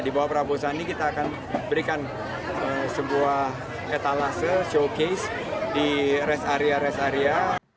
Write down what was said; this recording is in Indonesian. di bawah prabowo sandi kita akan berikan sebuah etalase showcase di rest area rest area